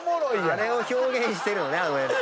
あれを表現してるのね。